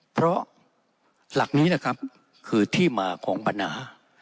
เพราะหลักนี้นะครับคือที่มาของปัญหา